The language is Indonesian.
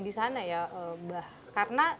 di sana ya karena